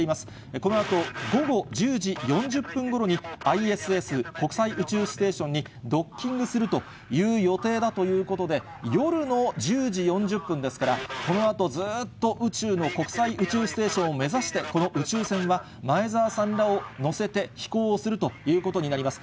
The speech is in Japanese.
このあと、午後１０時４０分ごろにＩＳＳ・国際宇宙ステーションにドッキングするという予定だということで、夜の１０時４０分ですから、このあとずーっと、宇宙の国際宇宙ステーションを目指して、この宇宙船は前澤さんらを乗せて飛行をするということになります。